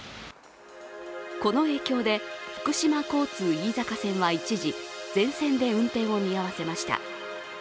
この影響で福島交通・飯坂線は一時、全線で運転を見合わせました。